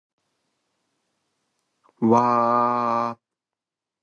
わあああああああ